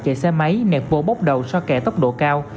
chạy xe máy nẹp vô bốc đầu so kẻ tốc độ cao